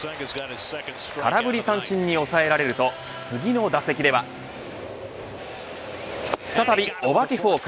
空振り三振に抑えられると次の打席では再びお化けフォーク。